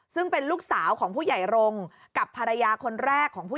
ซึ่งเป็นลูกสาวของผู้ใหญ่รงค์กับภรรยาคนแรกของผู้